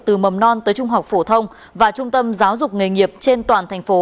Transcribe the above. từ mầm non tới trung học phổ thông và trung tâm giáo dục nghề nghiệp trên toàn thành phố